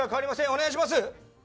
お願いします。